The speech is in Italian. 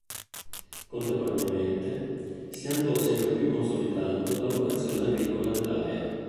Contemporaneamente, si andò sempre più consolidando la vocazione agricola dell’area.